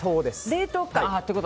冷凍か。